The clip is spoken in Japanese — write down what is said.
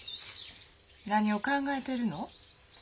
何を考えてるの？